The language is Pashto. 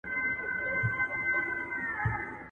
چي د دام پر سر یې غټ ملخ ته پام سو ..